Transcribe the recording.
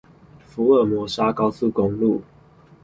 福爾摩沙高速公路